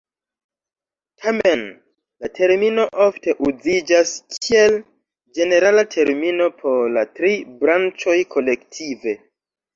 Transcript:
Tamen, la termino ofte uziĝas kiel ĝenerala termino por la tri branĉoj kolektive.